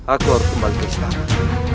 aku harus kembali ke istana